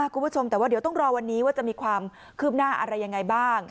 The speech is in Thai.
คุณผู้ชมแต่ว่าเดี๋ยวต้องรอวันนี้ว่าจะมีความคืบหน้าอะไรยังไงบ้าง